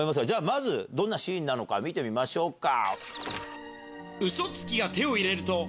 まずどんなシーンなのか見てみましょうか。